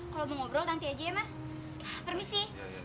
kalau mau ngobrol nanti aja ya mas permisi